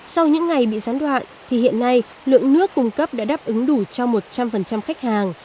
sau những ngày bị gián đoạn thì hiện nay lượng nước cung cấp đã đáp ứng đủ cho một trăm linh khách hàng